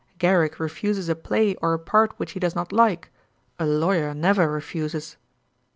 Garrick refuses a play or a part which he does not like; a lawyer never refuses.'